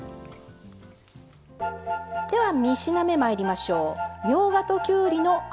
では３品目まいりましょう。